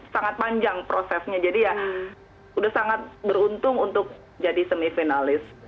sangat panjang prosesnya jadi ya sudah sangat beruntung untuk jadi semifinal